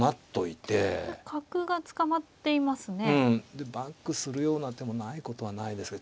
でバックするような手もないことはないですけど。